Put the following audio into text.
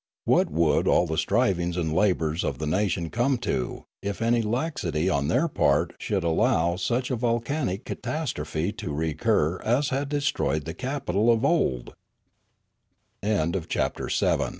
What would all the strivings and labours of the nation come to if any laxity on their part should allow such a vol canic catastrophe to recur as had destroyed the capital of old?